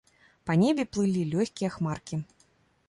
Па небе плылі лёгкія хмаркі.